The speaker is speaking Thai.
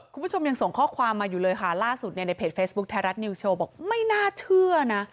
คุณผู้ชมยังส่งข้อความมาอยู่เลยค่ะล่าสุดเนี่ยในเพจเฟซบุ๊คไทยรัฐนิวโชว์บอกไม่น่าเชื่อนะ